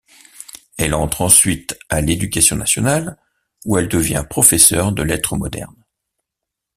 Elle entre ensuite à l’éducation Nationale où elle devient professeur de Lettres Modernes..